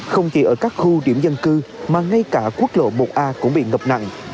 không chỉ ở các khu điểm dân cư mà ngay cả quốc lộ một a cũng bị ngập nặng